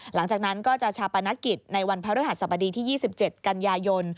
หลังจากนั้นก็จะชาปนกิจในวันพระฤหัสบดีที่๒๗กันยายน